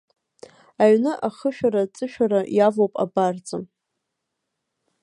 Аҩны ахышәара-ҵышәара иавоуп абарҵа.